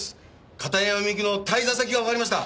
片山みゆきの滞在先がわかりました。